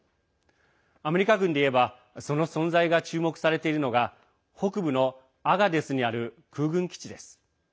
アメリカ軍でいえばその存在が注目されているのが北部のアガデスにある空軍基地です。